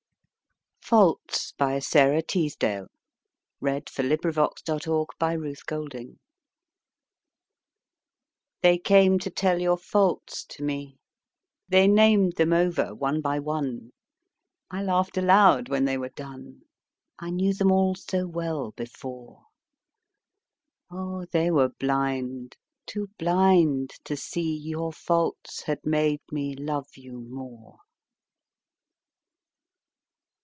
not at all, I owe the open gate That led through heaven's wall. Faults They came to tell your faults to me, They named them over one by one; I laughed aloud when they were done, I knew them all so well before, Oh, they were blind, too blind to see Your faults had made me love you more.